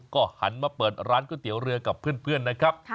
ก็หันมาเปิดร้านก๋วยเตี๋ยวเรือกับเพื่อนนะครับ